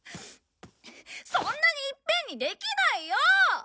そんなにいっぺんにできないよ！